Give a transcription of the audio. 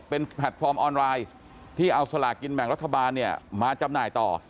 เป็นแพลตฟอร์มออนไลน์ที่เอาสลากินแบ่งรัฐบาลเนี่ยมาจำหน่ายต่อ